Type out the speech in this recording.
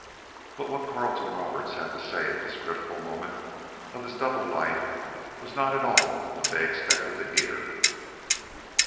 But what Carleton Roberts had to say at this critical moment of his double life was not at all what they expected to hear.